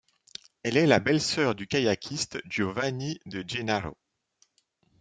Elle est la belle-sœur du kayakiste Giovanni De Gennaro.